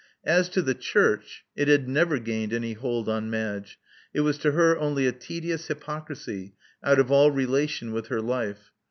As to the Church, it had never gained any hold on Madge: it was to her only a tedious hypocrisy out of all relation with her life.